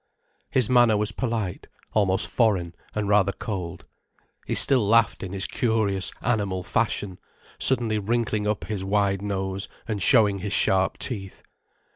His manner was polite, almost foreign, and rather cold. He still laughed in his curious, animal fashion, suddenly wrinkling up his wide nose, and showing his sharp teeth.